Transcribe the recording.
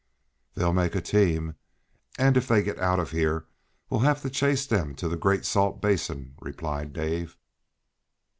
"They'll make a team, and if they get out of here we'll have to chase them to the Great Salt Basin," replied Dave.